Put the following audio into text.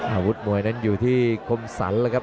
อาวุธมวยนั้นอยู่ที่คมสรรแล้วครับ